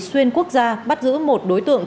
xuyên quốc gia bắt giữ một đối tượng